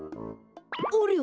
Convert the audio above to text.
ありゃ？